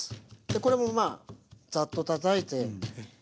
これもまあざっとたたいて。